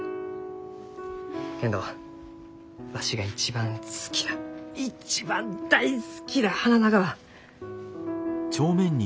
けんどわしが一番好きな一番大好きな花ながは！